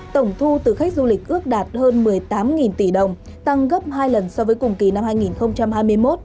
tổng thu từ khách du lịch ước đạt hơn một mươi tám tỷ đồng tăng gấp hai lần so với cùng kỳ năm hai nghìn hai mươi một